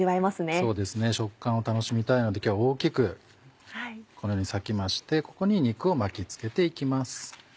そうですね食感を楽しみたいので今日は大きくこのように割きましてここに肉を巻き付けて行きます。